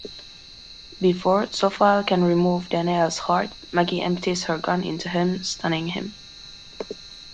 Before Zophael can remove Danyael's heart, Maggie empties her gun into him, stunning him.